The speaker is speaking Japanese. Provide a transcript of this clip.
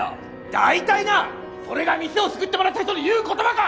だいたいなそれが店を救ってもらった人に言う言葉か！